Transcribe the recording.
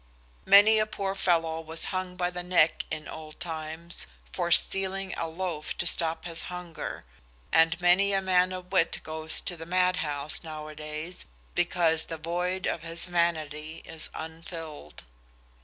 Many a poor fellow was hung by the neck in old times for stealing a loaf to stop his hunger, and many a man of wit goes to the mad house nowadays because the void of his vanity is unfilled.